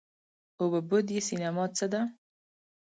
اووه بعدی سینما څه ده؟